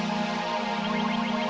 itu dia nomong